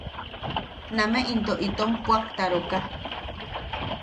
Name into itom puʼaktaroka.